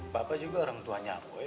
papa juga orang tuanya